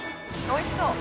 おいしそう。